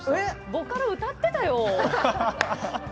ボカロ歌っていたよ。